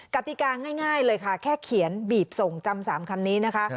กติกาง่ายเลยค่ะแค่เขียนบีบส่งจำ๓คำนี้นะคะ